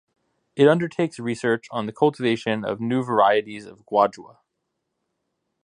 It undertakes research on the cultivation of new varieties of guadua.